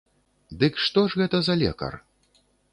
Дык што ж гэта за лекар?